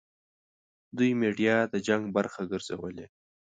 دوی میډیا د جنګ برخه ګرځولې.